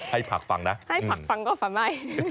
ให้ฝักฟังนะ